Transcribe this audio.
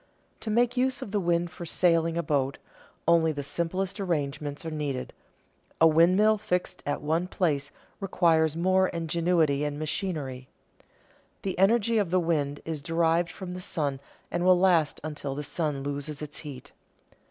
To make use of the wind for sailing a boat, only the simplest arrangements are needed; a windmill fixed at one place requires more ingenuity and machinery. The energy of the wind is derived from the sun and will last until the sun loses its heat.